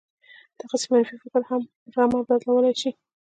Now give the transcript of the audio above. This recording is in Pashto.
دغسې منفي فکر هم پر عمل بدلولای شي